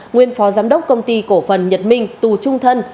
nguyên phó giám đốc công ty cổ phần nhật minh tù trung thân